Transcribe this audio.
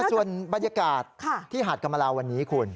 ส่วนบรรยากาศที่หาดกรรมลาวันนี้คุณ